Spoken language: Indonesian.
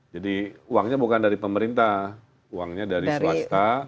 jadi uangnya bukan dari pemerintah uangnya dari swasta